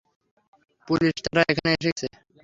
Police তারা এখানে এসে গেছে।